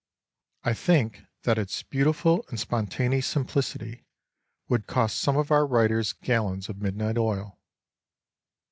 I think that its beau tiful and spontaneous simplicity would cost some of our writers gallons of midnight oil.